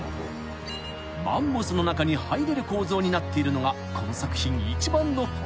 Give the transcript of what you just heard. ［マンモスの中に入れる構造になっているのがこの作品一番のポイント］